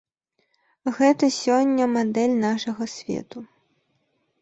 Гэта сёння мадэль нашага свету.